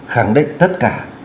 khẳng định tất cả